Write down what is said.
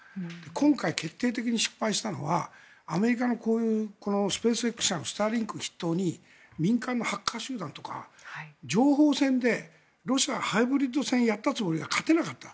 今回、決定的に失敗したのはアメリカの、こういうスペースＸ社のスターリンクを筆頭に民間のハッカー集団とか情報戦でロシアがハイブリッド戦をやったつもりが勝てなかった。